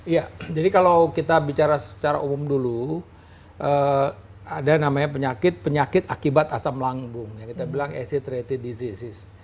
ya jadi kalau kita bicara secara umum dulu ada namanya penyakit penyakit akibat asam lambung yang kita bilang acid rated disease